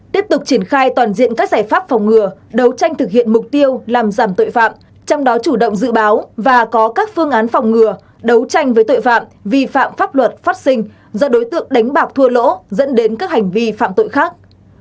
tiếp tục triển khai toàn diện các giải pháp phòng ngừa đấu tranh thực hiện mục tiêu làm giảm tội phạm trong đó chủ động dự báo và có các phương án phòng ngừa đấu tranh với tội phạm vi phạm pháp luật phát sinh do đối tượng đánh bạc thua lỗ dẫn đến các hành vi phạm tội khác